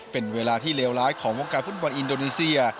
เป็นเวลาที่เลวร้ายของวงการฟุตบอลอินโดนีเซีย